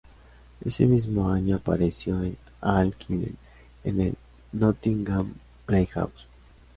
Ese mismo año apareció en "All Quiet" en el Nottingham Playhouse.